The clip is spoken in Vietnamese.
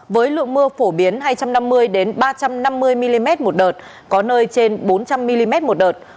với lượng mưa phổ biến hai trăm năm mươi ba trăm năm mươi mm một đợt có nơi trên bốn trăm linh mm một đợt